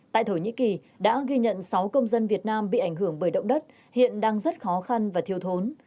tại thổ nhĩ kỳ đã ghi nhận sáu công dân việt nam bị ảnh hưởng bởi động đất hiện đang rất khó khăn và thiếu thốn